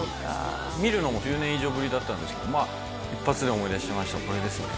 見るのも１０年以上ぶりだったんですけど一発で思い出しましたこれですね